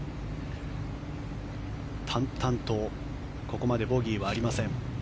淡々とここまでボギーはありません。